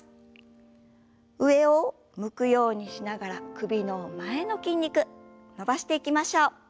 上を向くようにしながら首の前の筋肉伸ばしていきましょう。